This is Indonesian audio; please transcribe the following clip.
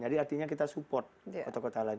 jadi artinya kita support kota kota lain